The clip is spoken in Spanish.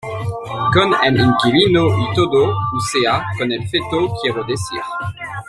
con el inquilino y todo, o sea, con el feto quiero decir.